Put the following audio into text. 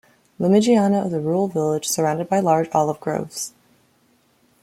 Limigiano is a rural village, surrounded by large olive groves.